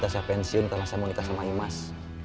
kang mus minta saya pensiun karena saya mau nikah sama imas